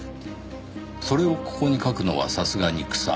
「それをココに書くのはさすがに草」